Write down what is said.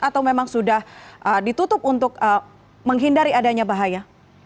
atau memang sudah ditutup untuk menghindari adanya bahaya